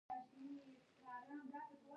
سر را پورته که شهیده، ارمانونه د رږیږی